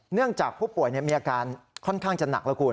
เนื่องจากผู้ป่วยมีอาการค่อนข้างจะหนักแล้วคุณ